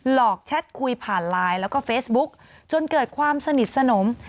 หลอกแชทคุยผ่านไลน์แล้วก็เฟซบุ๊กจนเกิดความสนิทสนม